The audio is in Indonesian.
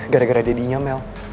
gara gara jadinya mel